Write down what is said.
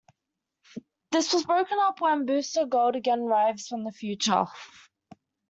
This was broken up when Booster Gold again arrives from the future.